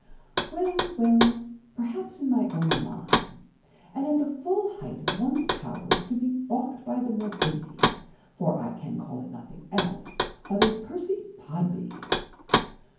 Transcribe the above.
"Well, well, perhaps in my own line. And at the full height of one's powers to be baulked by the morbidity, for I can call it nothing else, of a Percy Podby!